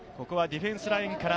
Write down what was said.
ここはディフェンスラインへ。